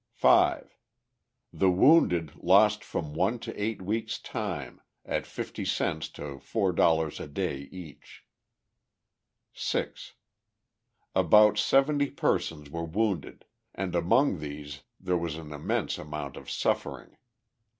5. The wounded lost from one to eight weeks' time, at 50 cents to $4 a day each. 6. About seventy persons were wounded, and among these there was an immense amount of suffering.